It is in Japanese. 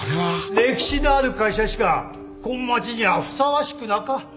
歴史のある会社しかこん町にはふさわしくなか。